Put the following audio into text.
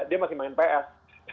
dia masih main ps